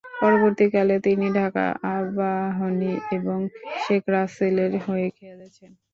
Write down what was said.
পরবর্তীকালে, তিনি ঢাকা আবাহনী এবং শেখ রাসেলের হয়ে খেলেছেন।